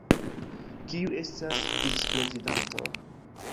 Kiu estas vicprezidanto?